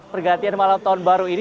pergantian malam tahun baru ini